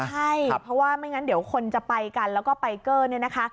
ใช่เพราะว่าไม่งั้นเดี๋ยวคนจะไปกันแล้วก็ไปเกอร์เนี่ยนะคะ